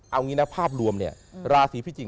เอางี้นะภาพรวมเนี่ย